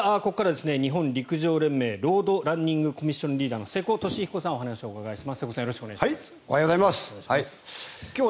ここからは日本陸上連盟ロードランニングコミッションリーダーの瀬古利彦さんにお話をお伺いします。